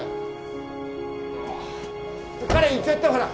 行っちゃってほら！